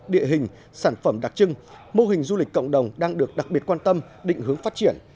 địa hình sản phẩm đặc trưng mô hình du lịch cộng đồng đang được đặc biệt quan tâm định hướng phát triển